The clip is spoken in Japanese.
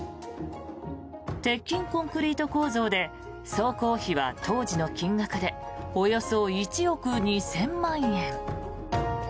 鉄筋コンクリート構造で総工費は当時の金額でおよそ１億２０００万円。